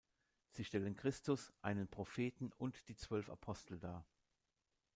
Sie stellen Christus, einen Propheten und die zwölf Apostel dar.